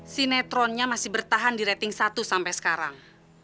si netronnya masih bertahan di rating satu sampai sekarang